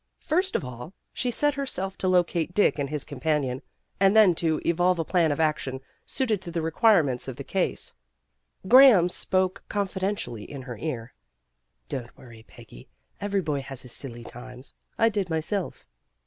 First of all she set herself to locate Dick and his companion, and then to evolve a plan of action suited to the require ments of the case. Graham spoke confidentially in her ear. " Don't worry, Peggy. Every boy has his silly times. I did myself."